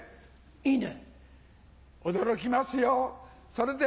いいね。